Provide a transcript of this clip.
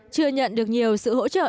chưa nhận được nhiều sự hỗ trợ